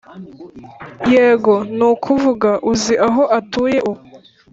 yego, nukuvuga, uzi aho atuye ubu?